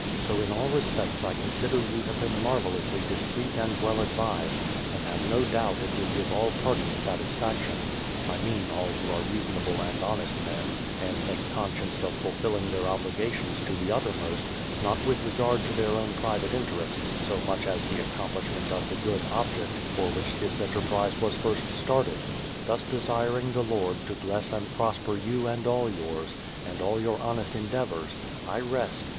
So in all respects I consider you have been marvellously discreet and well advised, and have no doubt it will give all parties satisfaction — I mean all who are reasonable and honest men, and make conscience of fulfilling their obligations to the uttermost, not with regard to their own private interests so much as the accomplishment of the good object for which this enterprise was first started. ... Thus desiring the Lord to bless and prosper you and all yours, and all our honest endeavours, I rest.